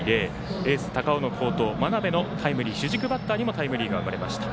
エース、高尾の好投真鍋のタイムリー主軸バッターにもタイムリーが生まれました。